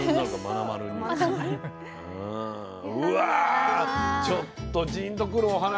うわちょっとジーンと来るお話もあったね。